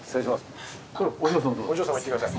お嬢様行ってください。